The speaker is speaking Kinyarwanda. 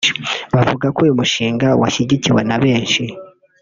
Bavuga ko uyu mushinga washyigikiwe na benshi